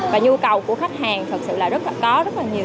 và nhu cầu của khách hàng thật sự là có rất là nhiều